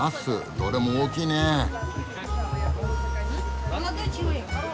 どれも大きいねえ。